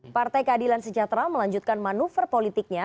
partai keadilan sejahtera melanjutkan manuver politiknya